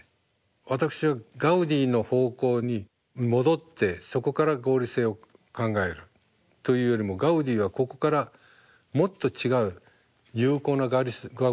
私はガウディの方向に戻ってそこから合理性を考えるというよりもガウディはここからもっと違う有効な合理性を持っていた。